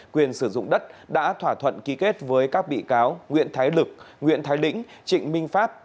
quyền sử dụng đất đã thỏa thuận ký kết với các bị cáo nguyễn thái lực nguyễn thái lĩnh trịnh minh pháp